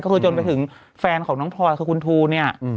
ก็คือจนไปถึงแฟนของน้องพลอยคือคุณทูเนี่ย